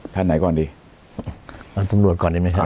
ท่านไหนก่อนดีเอาตำรวจก่อนดีไหมครับ